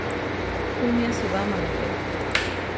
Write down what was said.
¿Kúmi asibáma nejé?